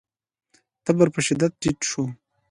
تبر په شدت ټيټ شو.